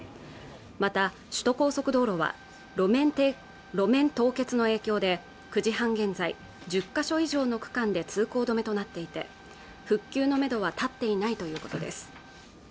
また首都高速道路は路面凍結の影響で９時半現在１０か所以上の区間で通行止めとなっていて復旧のめどは立っていないということです